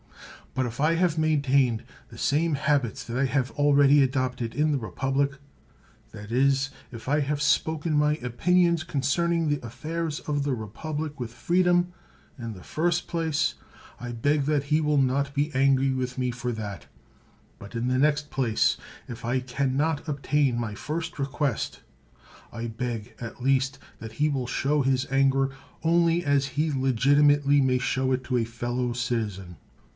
But if I have maintained the same habits that I have already adopted in the republic — that is, if I have spoken my opinions concerning the affairs of the republic with freedom — in the first place,^ I beg that he will not be angry with me for that ; but, in the next place, if I can not obtain my first request, I beg, at least, that he will show his anger only as he legitimately may show it to a fellow citizen.